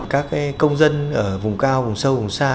các công dân ở vùng cao vùng sâu vùng xa